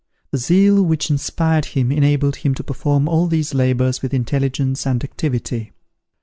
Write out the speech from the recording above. The zeal which inspired him enabled him to perform all these labours with intelligence and activity.